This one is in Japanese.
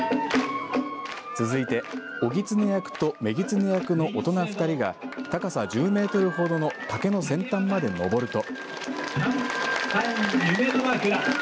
続いて男狐役と女狐役の大人２人が高さ１０メートルほどの竹の先端まで上ると。